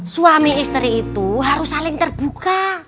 suami istri itu harus saling terbuka